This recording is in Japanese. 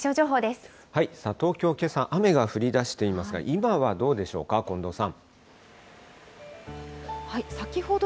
東京けさ、雨が降りだしていますが、今はどうでしょうか、近藤さん。